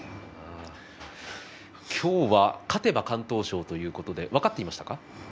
今日は勝てば敢闘賞ということでしたが分かっていましたか？